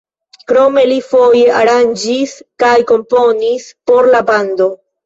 Krome li foje aranĝis kaj komponis por la bando.